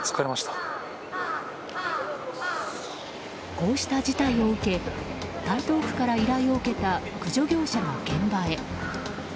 こうした事態を受け台東区から依頼を受けた駆除業者が現場へ。